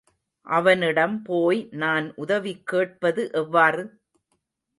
அவனிடம் போய் நான் உதவி கேட்பது எவ்வாறு?